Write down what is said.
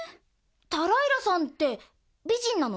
タライラさんってびじんなの？